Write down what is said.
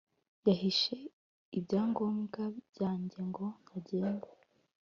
Yahishe ibyangombwa byanjye ngo ntagenda